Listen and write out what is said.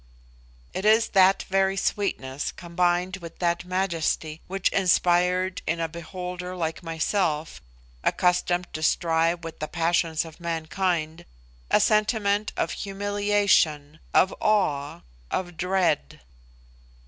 It is that very sweetness, combined with that majesty, which inspired in a beholder like myself, accustomed to strive with the passions of mankind, a sentiment of humiliation, of awe, of dread.